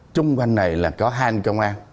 trung quanh này là có hai anh công an